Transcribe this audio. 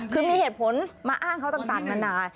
คือมีเหตุผลมาอ้างเขาต่างนานา